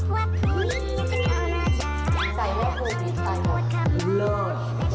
เว้นประกายแว๊บแว๊บค่ะแว๊บแว๊บ